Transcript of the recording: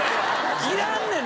いらんねん